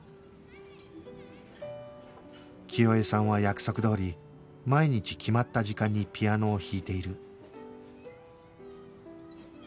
清江さんは約束どおり毎日決まった時間にピアノを弾いている